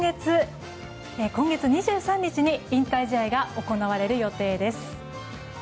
今月２３日に引退試合が行われる予定です。